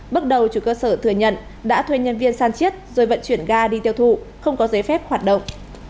bước đầu chủ cơ sở thừa nhận đã thuê nhân viên san chiết rồi vận chuyển ga đi tiêu thụ không có giấy phép hoạt động